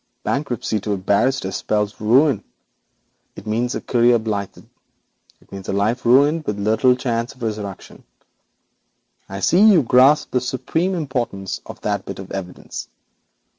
Bankruptcy to a barrister means ruin. It means a career blighted; it means a life buried, with little chance of resurrection. I see, you grasp the supreme importance of that bit of evidence.